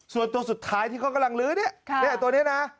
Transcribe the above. ส่วนตัวสุดท้ายที่เขากำลังลื้อเนี่ยตัวนี้นะ